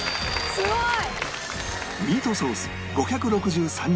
すごい！